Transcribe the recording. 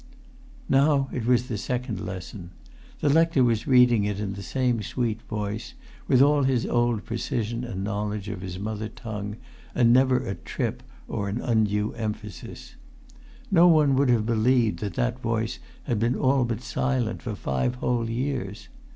Now it was the second lesson. The rector was reading it in the same sweet voice, with all his old precision and knowledge of his mother tongue, and never a trip or an undue emphasis. No one would have believed that that voice had been all but silent for five whole years.